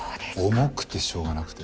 重くてしょうがなくて。